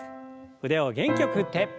腕を元気よく振って。